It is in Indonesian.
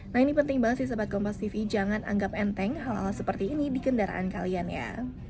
nah ini penting banget sih sempat kompas tv jangan anggap enteng hal hal seperti ini di kendaraan kalian ya